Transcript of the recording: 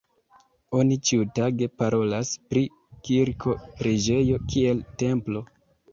Oni ĉiutage parolas pri kirko, preĝejo kiel templo.